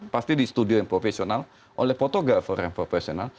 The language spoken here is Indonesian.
pasti di studio yang profesional oleh fotografer yang profesional